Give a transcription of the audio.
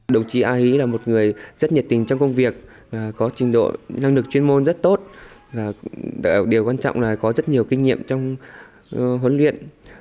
đồng chí a hí là một người rất nhiệt tình trong công việc có trình độ năng lực chuyên môn rất tốt và điều quan trọng là có rất nhiều kinh nghiệm trong huấn luyện